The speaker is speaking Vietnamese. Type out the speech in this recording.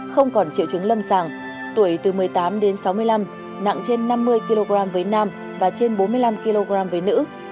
không còn triệu chứng lâm sàng tuổi từ một mươi tám đến sáu mươi năm nặng trên năm mươi kg với nam và trên bốn mươi năm kg với nữ